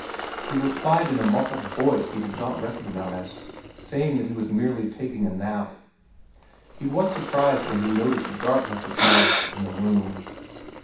He replied in a muffled voice he did not recognize, saying that he was merely taking a nap. He was surprised when he noted the darkness of night in the room.